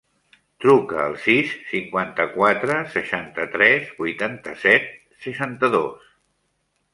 Truca al sis, cinquanta-quatre, seixanta-tres, vuitanta-set, seixanta-dos.